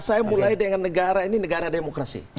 saya mulai dengan negara ini negara demokrasi